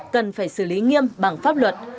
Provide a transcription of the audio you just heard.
cần phải xử lý nghiêm bằng pháp luật